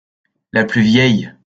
La plus vieille.